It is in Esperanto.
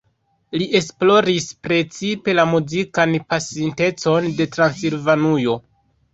Li esploris precipe la muzikan pasintecon de Transilvanujo.